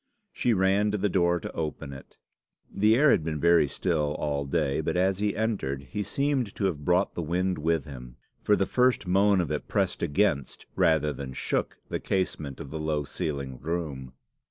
She ran to the door to open it. The air had been very still all day, but as he entered he seemed to have brought the wind with him, for the first moan of it pressed against rather than shook the casement of the low ceiled room.